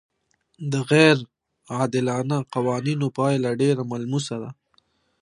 د غیر عادلانه قوانینو پایله ډېره ملموسه ده.